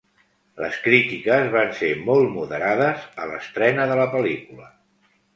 Les crítiques van ser molt moderades a l'estrena de la pel·lícula.